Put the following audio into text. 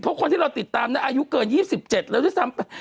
เพราะคนที่เราติดตามนั้นอายุเกิน๒๗แล้วที่๓๐